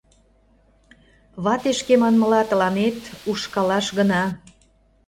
— Вате, шке манмыла, тыланет ушкалаш гына.